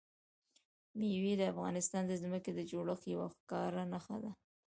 مېوې د افغانستان د ځمکې د جوړښت یوه ښکاره نښه ده.